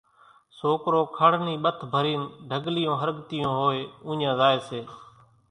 سوڪرو کڙ نِي ٻٿ ڀرين ڍڳليون ۿرڳتيون ھوئي اُوڃان زائي سي